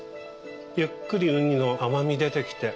ゆっくりウニの甘み出てきて。